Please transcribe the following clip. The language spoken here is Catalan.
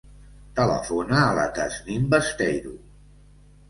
Telefona a la Tasnim Besteiro.